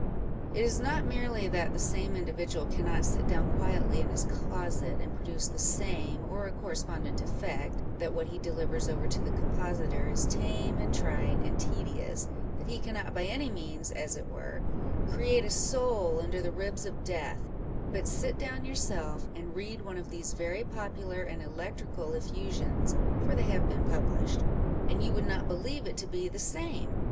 It is not merely that the same indi vidual cannot sit down quietly in his closet, and produce the same, or a correspondent effect â€" that what he delivers over to the compositor is tame and trite and tedious â€" that he cannot by any means, as it were, " create a soul under the ribs of death " â€" but sit down yourself, and read one of these very popular and electrical effusions (for they have been published), and you would not believe it to be the same